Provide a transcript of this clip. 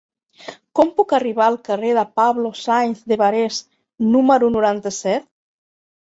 Com puc arribar al carrer de Pablo Sáenz de Barés número noranta-set?